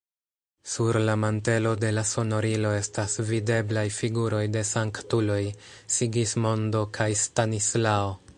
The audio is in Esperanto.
Sur la mantelo de la sonorilo estas videblaj figuroj de sanktuloj: Sigismondo kaj Stanislao.